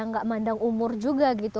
nggak mandang umur juga gitu